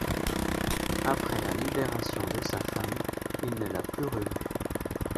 Après la libération de sa femme, il ne l'a plus revue.